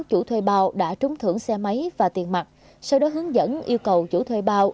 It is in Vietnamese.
chủ thuê bao đã trúng thưởng xe máy và tiền mặt sau đó hướng dẫn yêu cầu chủ thuê bao